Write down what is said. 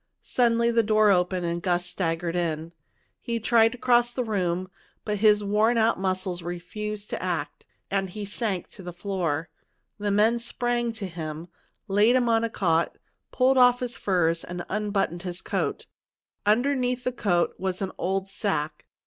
Suddenly the door opened and Gus staggered in. He tried to cross the room, but his worn out muscles refused to act, and he sank to the floor. The men sprang to him, laid him on a cot, pulled off his furs, and unbuttoned his coat. Underneath the coat was an old sack.